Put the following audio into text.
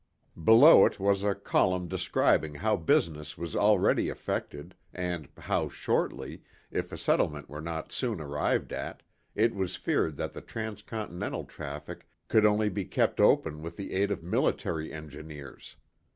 Below it was a column describing how business was already affected, and how, shortly, if a settlement were not soon arrived at, it was feared that the trans continental traffic could only be kept open with the aid of military engineers.